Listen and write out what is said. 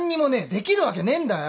できるわけねえんだよ！